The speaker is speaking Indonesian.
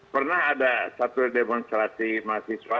pernah ada satu demonstrasi mahasiswa